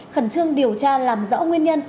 khẩn trương điều tra làm rõ nguyên nhân